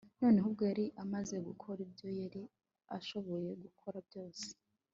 Noneho ubwo yari amaze gukora ibyo yari ashoboye gukora byose